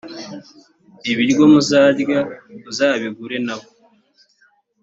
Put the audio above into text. ibiryo muzarya muzabigure na bo